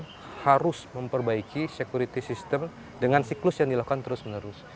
maka mereka harus memperbaiki sekuriti sistem dengan siklus yang dilakukan terus menerus